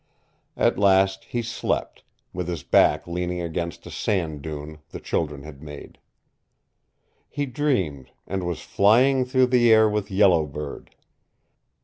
At last he slept, with his back leaning against a sand dune the children had made. He dreamed, and was flying through the air with Yellow Bird.